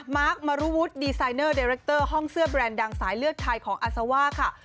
มาร์คมรุวุฒิดีไซเนอร์เดคเตอร์ห้องเสื้อแบรนด์ดังสายเลือดไทยของอาซาว่าค่ะ